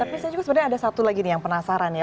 tapi saya juga sebenarnya ada satu lagi nih yang penasaran ya